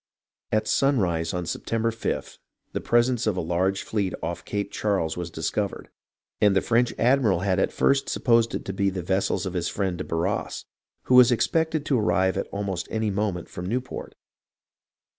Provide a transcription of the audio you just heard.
At sunrise on September 5th, the presence of a large fleet off Cape Charles was discovered, and the French admiral at first supposed it to be the vessels of his friend de Barras, who was expected to arrive at almost any moment from Newport.